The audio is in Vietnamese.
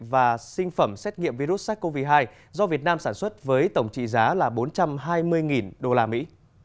và sinh phẩm xét nghiệm virus sars cov hai do việt nam sản xuất với tổng trị giá là bốn trăm hai mươi đô la mỹ